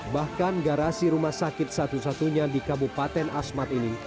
bahkan garasi rumah sakit satu satunya di kabupaten asmat ini